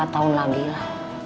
tiga empat tahun lagi lah